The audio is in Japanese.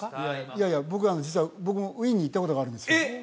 いやいや僕実は僕もウィーンに行ったことがあるんですえっ！？